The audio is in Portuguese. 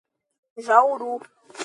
Jauru